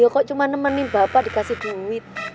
kok cuma nemen nih bapak dikasih duit